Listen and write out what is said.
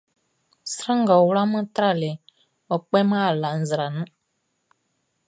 Sran ngʼɔ wlaman tralɛʼn, ɔ kpêman ala nzra nun.